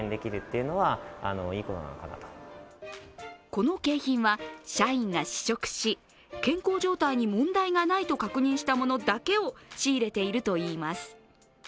この景品は社員が試食し、健康状態に問題がないと確認したものだけを仕入れているといいます。